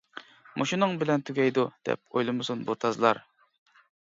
مۇشۇنىڭ بىلەن تۈگەيدۇ دەپ ئويلىمىسۇن بۇ تازلار!